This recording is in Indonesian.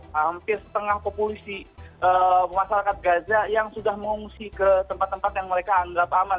hampir setengah populisi masyarakat gaza yang sudah mengungsi ke tempat tempat yang mereka anggap aman